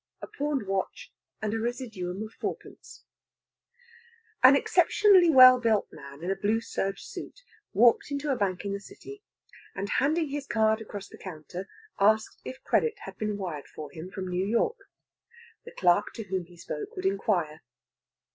A PAWNED WATCH, AND A RESIDUUM OF FOURPENCE An exceptionally well built man in a blue serge suit walked into a bank in the City, and, handing his card across the counter, asked if credit had been wired for him from New York. The clerk to whom he spoke would inquire.